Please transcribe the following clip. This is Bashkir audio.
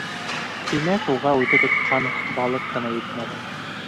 Тимәк, уға үҙе тотҡан балыҡ ҡына етмәгән.